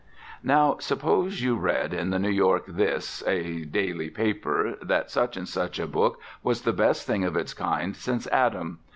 Now suppose you read in the New York This, a daily paper, that Such and Such a book was the best thing of its kind since Adam.